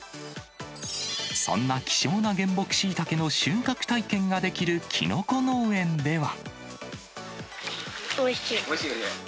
そんな希少な原木シイタケの収穫体験ができるキノコ農園では。